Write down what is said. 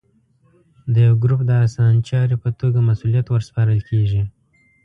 د یوه ګروپ د اسانچاري په توګه مسوولیت ور سپارل کېږي.